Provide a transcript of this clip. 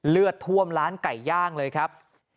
เลือดท่วมร้านไก่ย่างเลยครับ